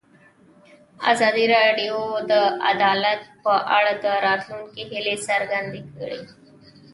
ازادي راډیو د عدالت په اړه د راتلونکي هیلې څرګندې کړې.